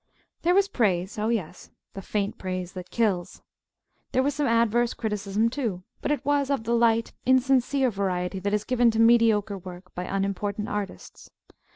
There was praise oh, yes; the faint praise that kills. There was some adverse criticism, too; but it was of the light, insincere variety that is given to mediocre work by unimportant artists.